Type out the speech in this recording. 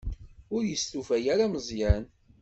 Ur yestufa ara Meẓyan.